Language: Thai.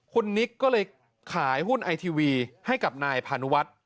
คุณนิกก็เลยขายหุ้นไอทีวีให้กับนายพานุวัฒน์